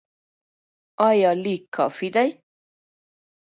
ایا لیک کافي دی؟